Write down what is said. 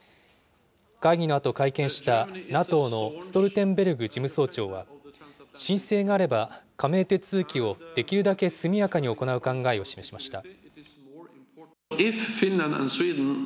会議のあと、会見したＮＡＴＯのストルテンベルグ事務総長は、申請があれば加盟手続きをできるだけ速やかに行う考えを示しました。